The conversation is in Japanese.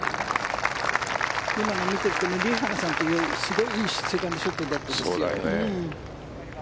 今の見てるとリ・ハナさんはすごいいいセカンドショットだったですよ。